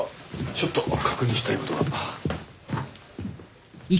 ちょっと確認したい事が。